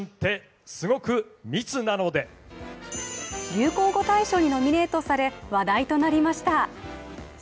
流行語大賞にノミネートされ話題となりました。